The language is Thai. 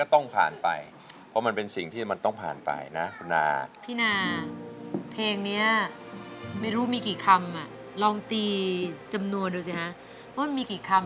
ต้องผ่านฝ่ายธินาเทพฯ้ายไม่รู้พานึงมีกี่คำ